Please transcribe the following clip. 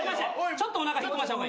ちょっとおなか引っ込ました方が。